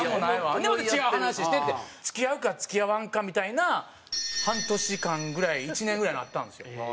でまた違う話してって付き合うか付き合わんかみたいな半年間ぐらい１年ぐらいあったんですよ。